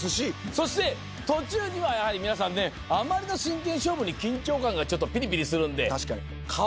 そして途中にはやはり皆さんねあまりの真剣勝負に緊張感がちょっとピリピリするんで。